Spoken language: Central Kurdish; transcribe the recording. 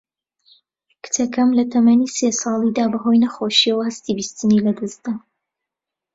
کچەکەم لە تەمەنی سێ ساڵیدا بە هۆی نەخۆشییەوە هەستی بیستنی لەدەست دا